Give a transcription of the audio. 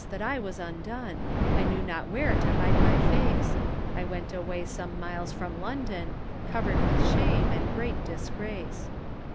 that I was undone, I knew not where to hide my face, I went away some miles from London, Covered with shame and great disgrace.